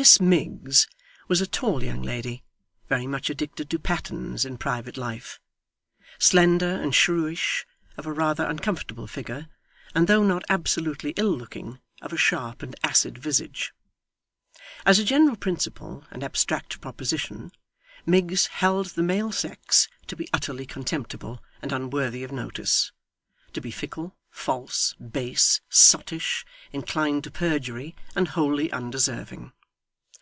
This Miggs was a tall young lady, very much addicted to pattens in private life; slender and shrewish, of a rather uncomfortable figure, and though not absolutely ill looking, of a sharp and acid visage. As a general principle and abstract proposition, Miggs held the male sex to be utterly contemptible and unworthy of notice; to be fickle, false, base, sottish, inclined to perjury, and wholly undeserving.